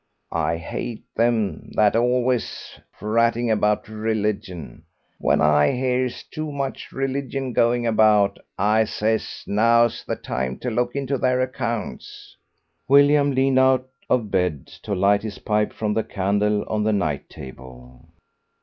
I hate them that is always prating out religion. When I hears too much religion going about I says now's the time to look into their accounts." William leaned out of bed to light his pipe from the candle on the night table.